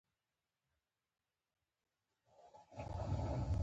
له ملي او نړیوالو درنو موسسو هم مننه او درناوی کوم.